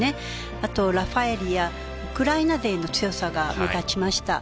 あとラファエーリやウクライナ勢の強さが目立ちました。